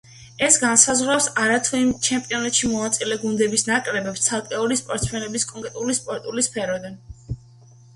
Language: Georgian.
ეს განსაზღვრავს ამა თუ იმ ჩემპიონატში მონაწილე გუნდებს, ნაკრებებს, ცალკეულ სპორტსმენებს კონკრეტული სპორტული სფეროდან.